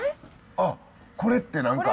あっこれって何か。